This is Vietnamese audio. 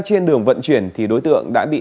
trên đường vận chuyển thì đối tượng đã bị